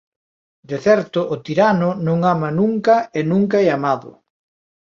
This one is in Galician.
De certo o tirano non ama nunca e nunca é amado.